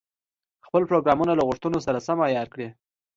خپل پروګرامونه له غوښتنو سره سم عیار کړي.